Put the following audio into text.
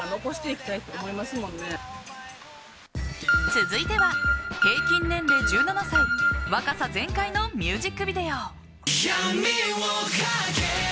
続いては平均年齢１７歳若さ全開のミュージックビデオ。